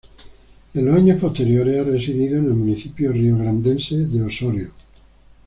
En los años posteriores, ha residido en el municipio riograndense de Osório.